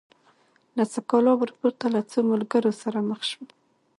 له سکالا ورپورته له څو ملګرو سره مخ شوم.